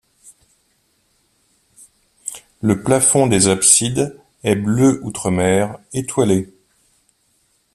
Le plafond des absides est bleu outremer étoilé.